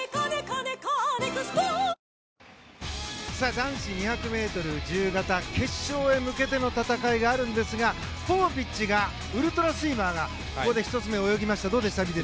男子２００ｍ自由形決勝へ向けての戦いがあるんですがポポビッチがウルトラスイマーがここで１つ目を泳ぎました。